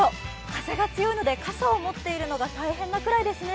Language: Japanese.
風が強いので傘を持っているのが大変なぐらいですね。